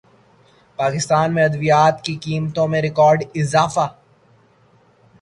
پاکستان میں ادویات کی قیمتوں میں ریکارڈ اضافہ